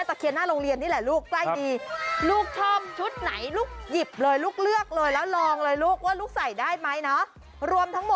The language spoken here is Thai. เพราะว่าที่นี่ชุดไทยเยอะกว่าที่ร้าน